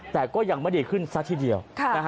แต่ก็ยังไม่ดีขึ้นซะทีเดียว